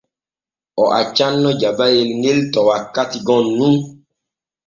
O accanno jabayel ŋel to wakkati gom nun.